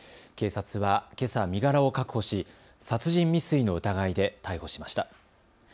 警察はけさ身柄を確保し殺人未遂の疑いで逮捕しました。